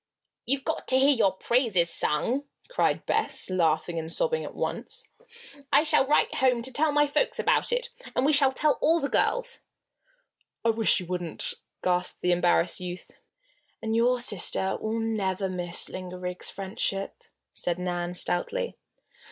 "You've got to hear your praises sung!" cried Bess, laughing and sobbing at once. "I shall write home to my folks about it. And we shall tell all the girls." "I wish you wouldn't!" gasped the embarrassed youth. "And your sister will never miss Linda Riggs' friendship," said Nan, stoutly.